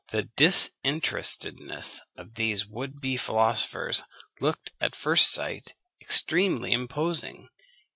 The disinterestedness of these would be philosophers looked, at first sight, extremely imposing.